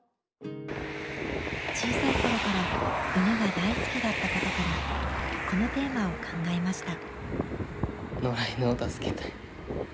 小さいころから犬が大好きだったことからこのテーマを考えました。